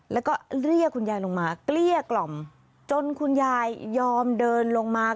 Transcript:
แล้วก็เรียกคุณยายลงมาเกลี้ยกล่อมจนคุณยายยอมเดินลงมา